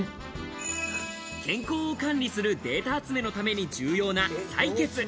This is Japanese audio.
健康を管理するデータ集めのために重要な採血。